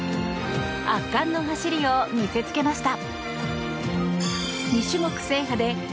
圧巻の走りを見せつけました。